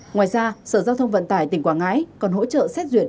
ngoài ra sở giao thông vận tải tỉnh quảng ngãi còn hỗ trợ xét duyệt